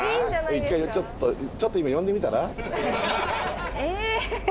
１回ちょっとちょっと今呼んでみたら？え！